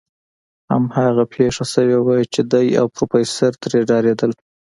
هماغه پېښه شوې وه چې دی او پروفيسر ترې ډارېدل.